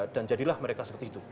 dan jadilah mereka seperti itu